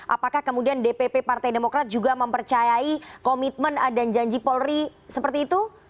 apakah kemudian dpp partai demokrat juga mempercayai komitmen dan janji polri seperti itu